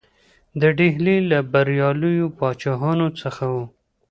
د ډهلي له بریالیو پاچاهانو څخه وو.